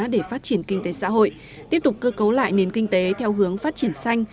để phát triển kinh tế xã hội tiếp tục cơ cấu lại nền kinh tế theo hướng phát triển xanh